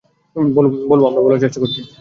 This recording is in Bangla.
বলব, আমরা চেষ্টা করেছি।